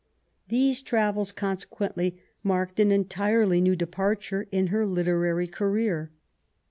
These travels, consequently, marked an entirely new departure in her literary career.